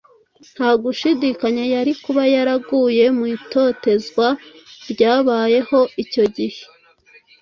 nta gushidikanya yari kuba yaraguye mu itotezwa ryabayeho icyo gihe.